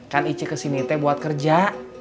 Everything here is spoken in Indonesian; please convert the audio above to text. kan ici kesini teh buat kerja